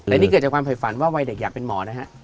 อันนี้เกิดจากความฝ่ายฝันว่าวัยเด็กอยากเป็นหมอนะฮะ